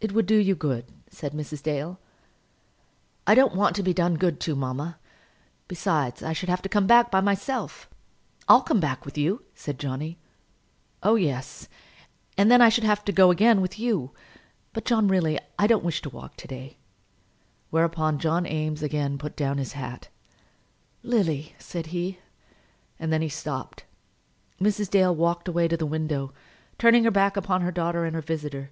"It would do you good," said Mrs. Dale. "I don't want to be done good to, mamma. Besides, I should have to come back by myself." "I'll come back with you," said Johnny. "Oh, yes; and then I should have to go again with you. But, John, really I don't wish to walk to day." Whereupon John Eames again put down his hat. "Lily," said he; and then he stopped. Mrs. Dale walked away to the window, turning her back upon her daughter and visitor.